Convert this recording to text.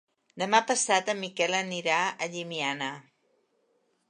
Demà passat en Miquel anirà a Llimiana.